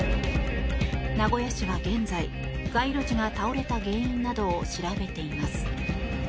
名古屋市は現在、街路樹が倒れた原因などを調べています。